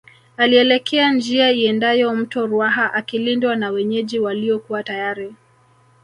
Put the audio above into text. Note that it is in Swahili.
Alielekea njia iendayo mto Ruaha akilindwa na wenyeji waliokuwa tayari